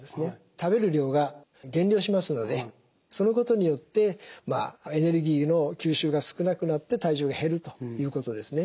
食べる量が減量しますのでそのことによってエネルギーの吸収が少なくなって体重が減るということですね。